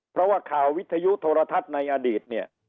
เพราะว่าข่าววิทยุโทรทัศน์ในอดีตเนี่ย